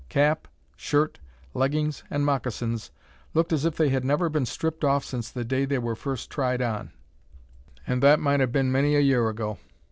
Cap, shirt, leggings, and moccasins looked as if they had never been stripped off since the day they were first tried on, and that might have been many a year ago.